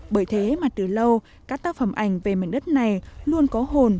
bởi thế mà từ lâu các tác phẩm ảnh về mảnh đất này luôn có hồn